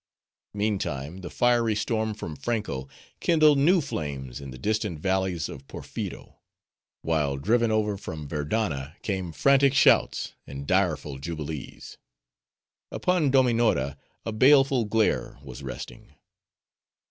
Meantime, the fiery storm from Franko, kindled new flames in the distant valleys of Porpheero; while driven over from Verdanna came frantic shouts, and direful jubilees. Upon Dominora a baleful glare was resting.